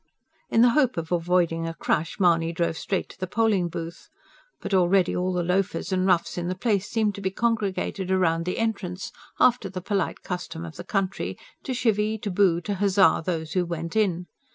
In the hope of avoiding a crush Mahony drove straight to the polling booth. But already all the loafers and roughs in the place seemed to be congregated round the entrance, after the polite custom of the country to chivy, or boo, or huzza those who went in.